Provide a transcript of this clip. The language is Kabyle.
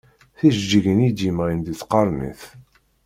Tijeǧǧigin i d-yemɣin di tqernit.